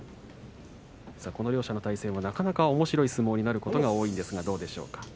この両者の対戦はなかなかおもしろい相撲になることが多いんですが、どうでしょうか。